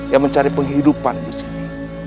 yang mencari penghidupan disini